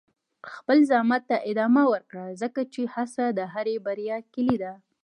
خپل زحمت ته ادامه ورکړه، ځکه چې هڅه د هرې بریا کلي ده.